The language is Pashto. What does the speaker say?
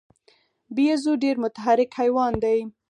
بیزو ډېر متحرک حیوان دی.